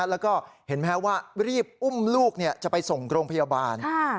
แล้วก็เห็นแม้ว่ารีบอุ้มลูกเนี้ยจะไปส่งโรงพยาบาลค่ะ